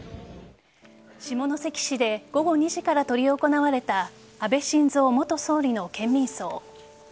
下関市で午後２時から執り行われた安倍晋三元総理の県民葬。